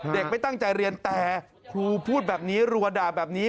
ไม่ตั้งใจเรียนแต่ครูพูดแบบนี้รัวด่าแบบนี้